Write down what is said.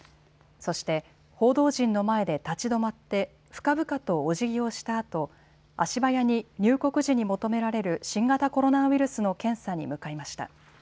そして報道陣の前で立ち止まって深々とおじぎをしたあと足早に入国時に求められる新型コロナウイルスの検査に向かいました。